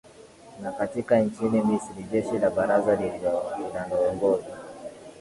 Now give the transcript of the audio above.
na katika nchini misri jeshi la baraza linaloongoza